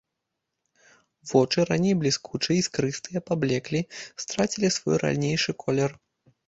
Вочы, раней бліскучыя, іскрыстыя, паблеклі, страцілі свой ранейшы колер.